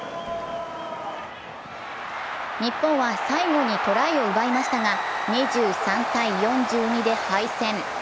日本は最後にトライを奪いましたが２３−４２で敗戦。